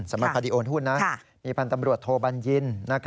สำหรับคดีโอนหุ้นมีพันธ์ตำรวจโทบัญญิน